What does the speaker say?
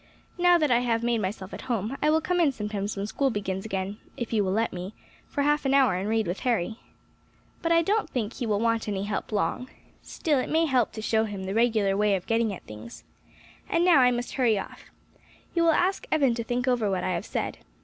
Now that I have made myself at home, I will come in sometimes when school begins again, if you will let me, for half an hour and read with Harry. But I don't think he will want any help long. Still, it may help to show him the regular way of getting at things. And now I must hurry off. You will ask Evan to think over what I have said.